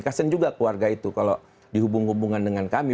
kasian juga keluarga itu kalau dihubung hubungkan dengan kami